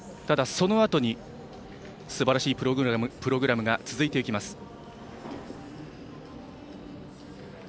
ただ、そのあとにすばらしいプログラムが続いていきます。